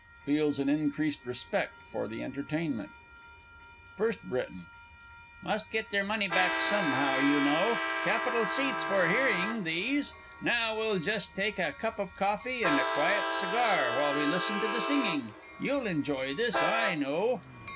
[Feels an increased respect for the Entertainment. FIRST B. Must get their money back somehow, you know. Capital seats for hearing, these. Now, we'll just take a cup of coffee, and a quiet cigar, while we listen to the singing you'll enjoy this, I know!